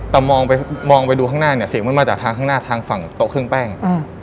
แต่มองไปดัวหน้ามันมาจากทางข้างหน้าทางฝั่งโต๊ะเครื่องแป้ง